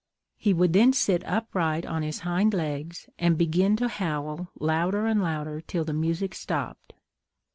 He would then sit upright on his hind legs, and begin to howl louder and louder till the music stopped.